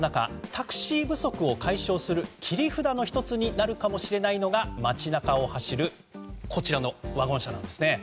タクシー不足を解消する切り札の１つになるかもしれないのが街中を走るこちらのワゴン車なんです。